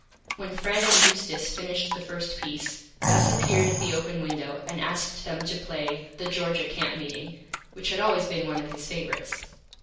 When Fred and Eustace finished the first Piece, Gus appeared at the open Window, and asked them to play "The Georgia Camp Meeting," which had always been one of his Favorites.